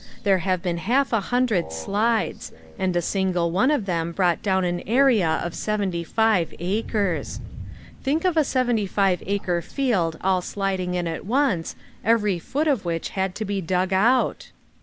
There have been half a hundred slides and a single one of them brought down an area of seventy five acres. Think of a seventy five acre field all sliding in at once, every foot of which had to be dug out!